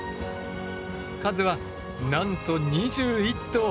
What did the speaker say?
数はなんと２１頭！